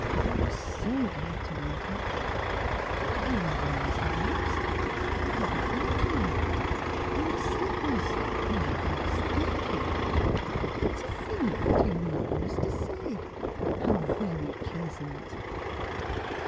I was so glad to rent it. ... Don't hurry away, Mr. Hobbs. I haven't thanked you yet; and the slippers Oh, yes; thank you !... And to think you know Miss Desaye. How very pleasant!"